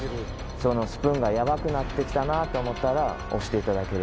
そのスプーンがやわくなってきたなって思ったら押していただければ。